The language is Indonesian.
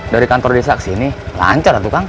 dari kantor desa ke sini lancar tuh kang